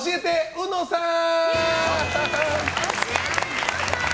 うのさん。